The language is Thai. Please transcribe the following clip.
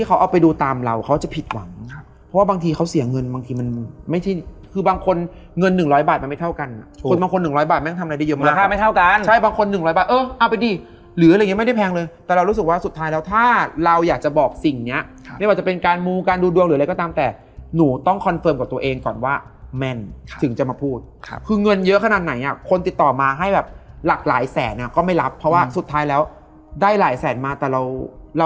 คือมีเพื่อนคนนึงมีเซนท์แล้วเหมือนแบบมันก็หันมา